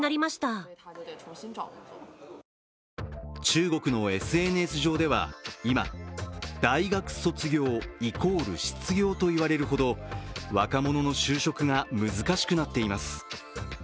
中国のＳＮＳ上では今、大学卒業＝失業と言われるほど若者の就職が難しくなっています。